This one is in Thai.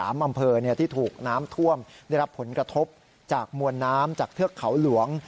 อำเภอที่ถูกน้ำท่วมได้รับผลกระทบจากมวลน้ำจากเทือกเขาหลวง